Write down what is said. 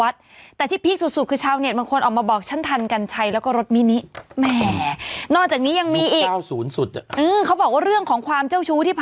นี่คือต้นเรื่องคืออันนี้